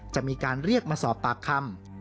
จะมีการเรียกมาสอบปากคำ